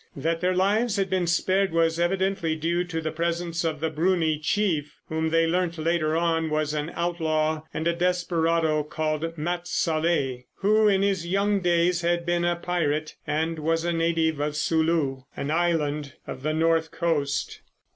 That their lives had been spared was evidently due to the presence of the Brunie chief, whom they learnt later on was an outlaw and a desperado called Mat Salleh, who, in his young days, had been a pirate and was a native of Suloo, an island of the north coast.